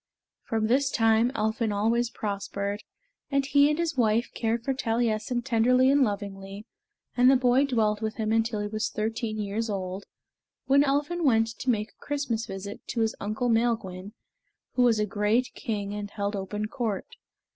From this time Elphin always prospered, and he and his wife cared for Taliessin tenderly and lovingly, and the boy dwelt with him until he was thirteen years old, when Elphin went to make a Christmas visit to his uncle Maelgwyn, who was a great king and held open court.